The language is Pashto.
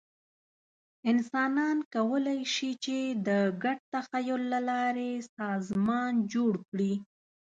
انسانان کولی شي، چې د ګډ تخیل له لارې سازمان جوړ کړي.